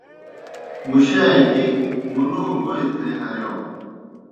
مُشَاکیْ مُلو گوئی تھے ہرِیاؤ۔